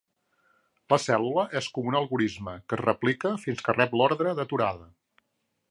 La cèl·lula és com un algorisme que es replica fins que rep l'ordre d'aturada.